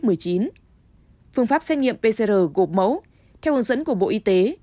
phương pháp xét nghiệm pcr gộp mẫu theo hướng dẫn của bộ y tế